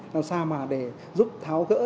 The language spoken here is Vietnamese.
làm sao mà để giúp tháo gỡ